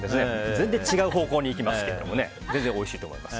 全然違う方向に行きますけど全然おいしいと思います。